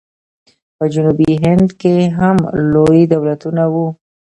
په جنوبي هند کې هم لوی دولتونه وو.